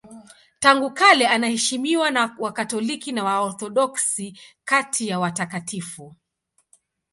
Tangu kale anaheshimiwa na Wakatoliki na Waorthodoksi kati ya watakatifu.